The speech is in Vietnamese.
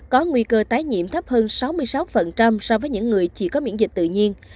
có nguy cơ tái nhiễm thấp hơn sáu mươi sáu so với những người chỉ có miễn dịch tự nhiên